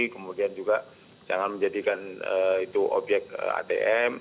kemudian juga jangan menjadikan itu obyek atm